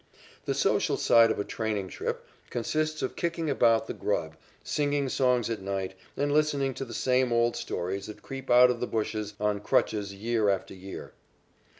The social side of a training trip consists of kicking about the grub, singing songs at night, and listening to the same old stories that creep out of the bushes on crutches year after year.